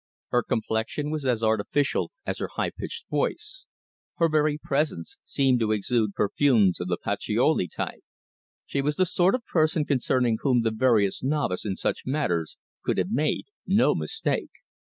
Her complexion was as artificial as her high pitched voice; her very presence seemed to exude perfumes of the patchouli type. She was the sort of person concerning whom the veriest novice in such matters could have made no mistake.